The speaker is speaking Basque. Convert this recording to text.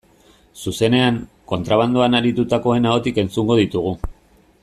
Zuzenean, kontrabandoan aritutakoen ahotik entzungo ditugu.